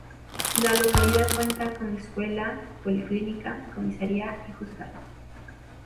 La localidad cuenta con escuela, policlínica, comisaría y juzgado.